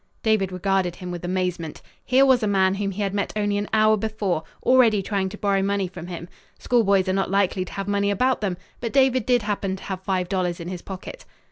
David regarded him with amazement. Here was a man whom he had met only an hour before, already trying to borrow money from him. Schoolboys are not likely to have money about them, but David did happen to have five dollars in his pocket.